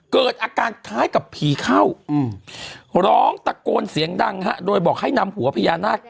เกิดอาการคล้ายกับผีเข้าร้องตะโกนเสียงดังฮะโดยบอกให้นำหัวพญานาค